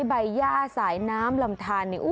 ใบย่าสายน้ำลำทาน